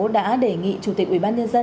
đã đề nghị chủ tịch ubnd